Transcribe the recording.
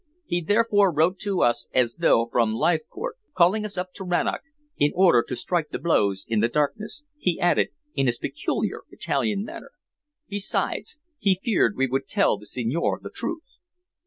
He therefore wrote to us as though from Leithcourt, calling us up to Rannoch, in order to strike the blows in the darkness," he added in his peculiar Italian manner. "Besides, he feared we would tell the signore the truth."